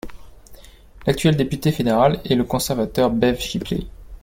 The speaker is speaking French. L'actuel député fédéral est le conservateur Bev Shipley.